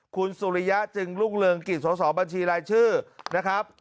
คุณสุริยะจึงรุ่งเรืองกิจสสบัญชีรายชื่อนะครับ